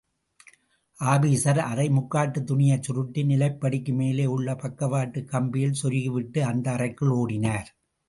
Officer அறை முக்காட்டுத் துணியை சுருட்டி நிலைப்படிக்கு மேலே உள்ள பக்கவாட்டு கம்பியில் சொருகிவிட்டு, அந்த அறைக்குள் ஓடினார்.